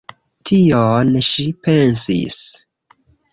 Tion ŝi pensis!